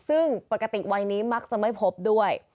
ซึ่งปกติวัยนี้มักจะไม่พบด้วย